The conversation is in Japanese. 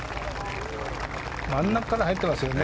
真ん中から入っていますよね。